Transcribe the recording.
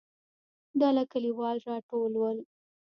ډله کليوال راټول ول.